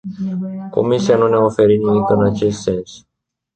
Comisia nu ne-a oferit nimic în acest sens.